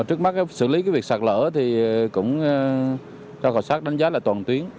trước mắt xử lý cái việc sạt lở thì cũng cho khảo sát đánh giá là toàn tuyến